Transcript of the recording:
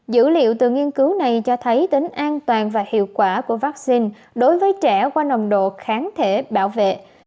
dữ liệu từ nghiên cứu này cho thấy tính an toàn và hiệu quả của vaccine đối với trẻ qua nồng độ kháng thể bảo vệ